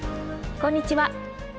こんにちは。